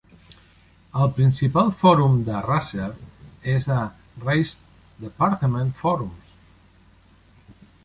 El principal fòrum de Racer és a RaceDepartment Forums.